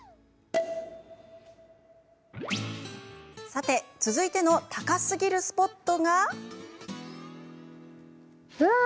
さて、続いての高すぎるスポットが、こちら。